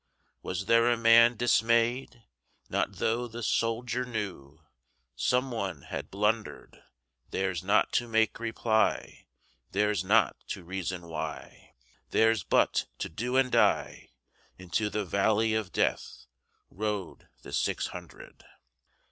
Was there a man dismay'd? Not tho' the soldier knewSome one had blunder'd:Theirs not to make reply, Theirs not to reason why, Theirs but to do and die:Into the valley of DeathRode the six hundred.